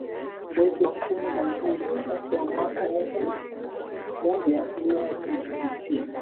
mwezi wa kumi na mbili kati ya mwaka elfu moja mia nne sitini